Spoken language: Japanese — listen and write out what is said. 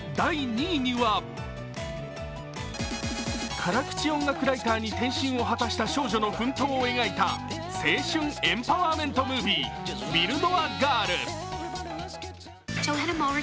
辛口音楽ライターに転身を果たした少女の奮闘を描いた青春エンパワーメントムービー「ビルド・ア・ガール」。